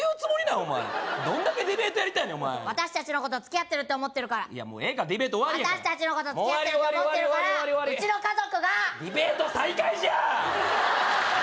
お前どんだけディベートやりたいねん私達のこと付き合ってるって思ってるからもうええからディベート終わりやから私達のこと付き合ってると終わり終わり終わり思ってるからうちの家族がディベート再開じゃ！